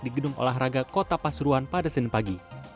di gedung olahraga kota pasuruan pada senin pagi